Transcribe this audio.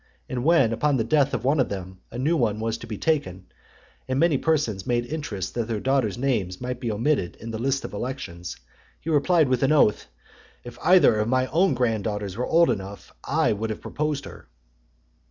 And when, upon the death of one of them, a new one was to be taken , and many persons made interest that their daughters' names might be omitted in the lists for election, he replied with an oath, "If either of my own grand daughters were old enough, I would have proposed her."